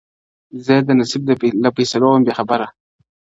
زه د نصیب له فیصلو وم بېخبره روان!